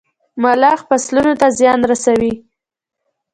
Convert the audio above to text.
ملخ فصلونو ته زيان رسوي.